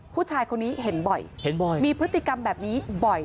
ผู้ชายคนนี้เห็นบ่อยมีพฤติกรรมแบบนี้บ่อย